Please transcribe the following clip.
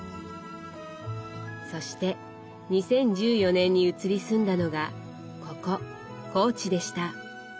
そして２０１４年に移り住んだのがここ高知でした。